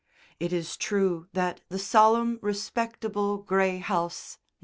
It is true that the solemn, respectable grey house, No.